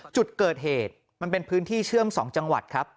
จุดเกิดเหตุมันเป็นพื้นที่เชื่อม๒จังหวัดครับ